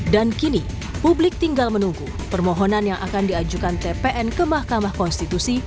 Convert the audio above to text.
dan kini publik tinggal menunggu permohonan yang akan diajukan tpn ke mahkamah komunikasi